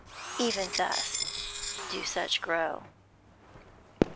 Even thus do such grow.